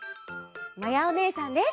まやおねえさんです！